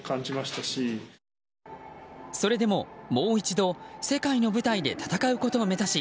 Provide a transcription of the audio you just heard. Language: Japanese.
それでも、もう一度世界の舞台で戦うことを目指し